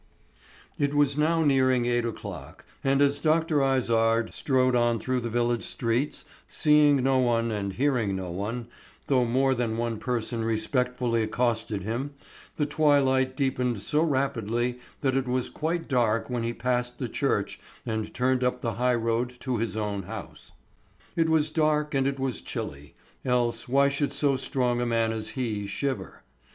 IT was now nearing eight o'clock, and as Dr. Izard strode on through the village streets, seeing no one and hearing no one, though more than one person respectfully accosted him, the twilight deepened so rapidly that it was quite dark when he passed the church and turned up the highroad to his own house. It was dark and it was chilly, else why should so strong a man as he shiver?